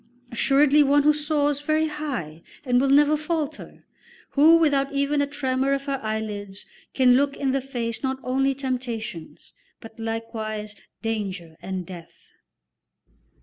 Assuredly one who soars very high and will never falter, who without even a tremor of her eyelids can look in the face not only temptations, but likewise danger and death."